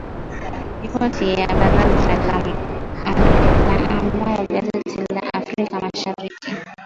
Ripoti ya Baraza la ambayo gazeti la Afrika mashariki